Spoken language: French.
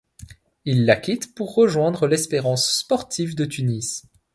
Il la quitte pour rejoindre l'Espérance sportive de Tunis.